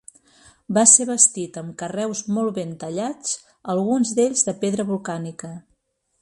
Va ser bastit amb carreus molt ben tallats, alguns d'ells de pedra volcànica.